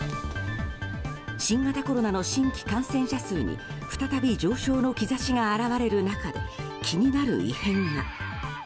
新型コロナの新規感染者数に再び上昇の兆しが表れる中で気になる異変が。